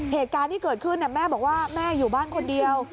เหตุการณ์ที่เกิดขึ้นแม่บอกว่าแม่อยู่บ้านคนเดียว